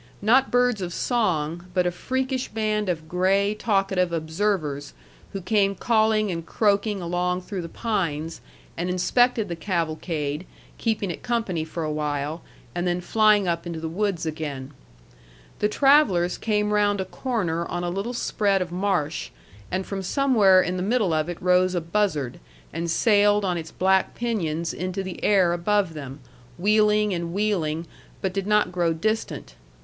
Not birds of song, but a freakish band of gray talkative observers, who came calling and croaking along through the pines, and inspected the cavalcade, keeping it company for a while, and then flying up into the woods again. The travellers came round a corner on a little spread of marsh, and from somewhere in the middle of it rose a buzzard and sailed on its black pinions into the air above them, wheeling and wheeling, but did not grow distant.